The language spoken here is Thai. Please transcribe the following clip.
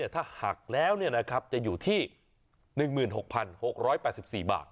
ถ้าหักแล้วจะอยู่ที่๑๖๖๘๔บาท